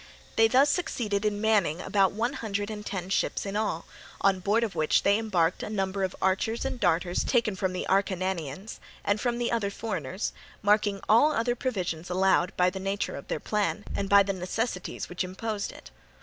They thus succeeded in manning about one hundred and ten ships in all, on board of which they embarked a number of archers and darters taken from the Acarnanians and from the other foreigners, making all other provisions allowed by the nature of their plan and by the necessities which imposed it.